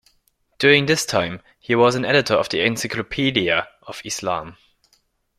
During this time he was an editor of the Encyclopaedia of Islam.